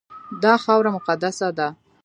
دا خاوره مقدسه ده.